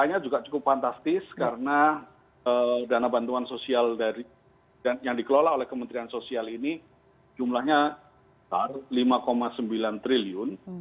harganya juga cukup fantastis karena dana bantuan sosial yang dikelola oleh kementerian sosial ini jumlahnya besar rp lima sembilan triliun